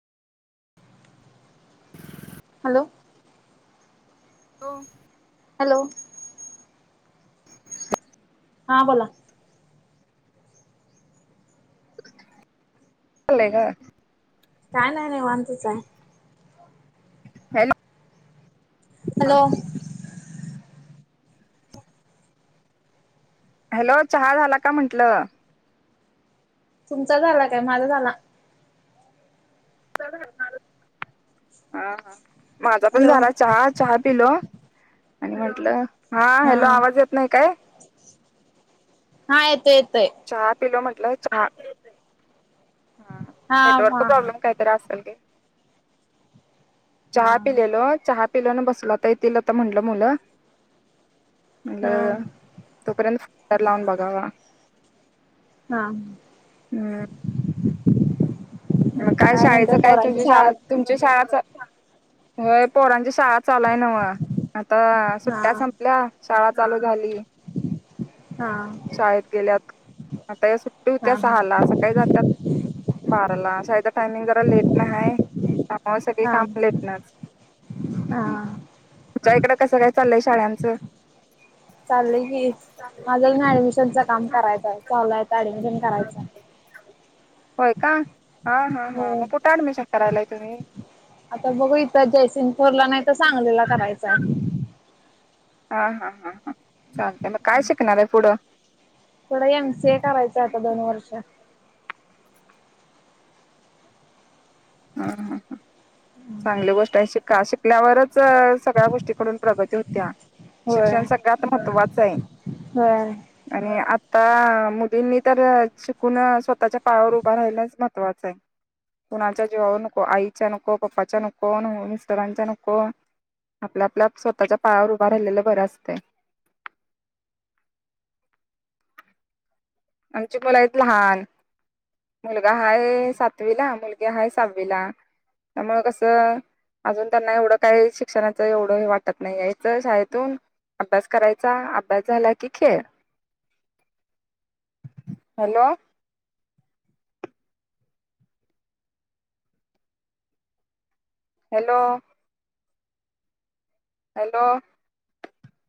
[unintelligible] Hello हो hello हां बोला झाले का काय नाही नाही नीवांतच आहे हॅलो हॅलो हॅलो चहा झाला का म्हंटलं तुमचा झाला काय माझा झाला हा हा माझा पण हॅलो झाला चहा चहा पिलो आणि म्हटलं हा हॅलो आवाज येत नाही काय हा येतोय येतोय चहा पिलो म्हटलं चहा ह हा हा नेटवर्क हा प्रॉब्लेम काय हा चहा पीलेलो चहा पिलान बसल आता येतीलला आता म्हटलं मुलं हा म्हणलं हा तोपर्यंत [unintelligible] लावून बघावा हा हम्म मग काय शाळेचं काय तुझी शाळा तुमच्या शाळाच होय पोरांची शाळा चालूय नव आता हा सुट्ट्या संपल्या शाळा चालू झाली हा शाळेत गेल्यात आता या सुट्टी होत्या हा हा सहाला सकाळी जात्यात बाराला शाळेचं टायमिंग जरा लेट नाही आहे त्यामुळे सगळी काम लेट नच हा.. तुझ्या इकड कसं काय चालय शाळांचं चाललय की माझा ना ऍडमिशनचा काम करायचं चाललं आता ऍडमिशन करायचा. होय का हां हां हां हो मग कुठं ॲडमिशन करायला आहे तुम्ही आता बघू इथं जयसिंगपोरला नाही तर सांगलेला करायचं आहे. हा हा हा हा चागते आहे मग काय शिकणार आहे पुढं थोडं एम सीए करायचं आता दोन वर्ष हा हा. हा चांगली गोष्ट आहे शिका शिकल्यावरच सगळ्या गोष्टीकडून प्रगती होत्या. होय शिक्षण सगळ्यात महत्त्वाचं आहे. होय आणि आता मोदींनी तर चू कुणा स्वतःच्या पायावर उभा राहिलाचा महत्त्वाचं आहे कुणाच्या जीवावर नको आईच्या नको पप्पाच्या नको आण मिस्टरांच्या नको आपल्या आपल्या स्वतःच्या पायावर उभा राहिलेलं बरं असते. आमची मुला आहेत लहान मुलगा हाय सातवीला मुलगी हाय सहावीला त्यामुळं कसं अजून त्यांना एवढं काही शिक्षणाच एवढं वाटत नाही याच शाळेतून अभ्यास करायचा अभ्यास झाला की खेळ. Hello hello. हॅलो